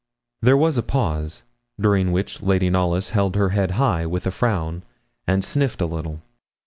There was a pause, during which Lady Knollys held her head high with a frown, and sniffed a little.